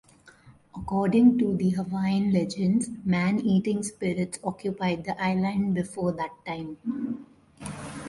According to the Hawaiian legends, man-eating spirits occupied the island before that time.